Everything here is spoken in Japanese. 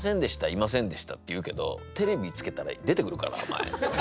「いませんでした」って言うけどテレビつけたら出てくるから。